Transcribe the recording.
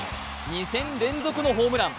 ２戦連続のホームラン。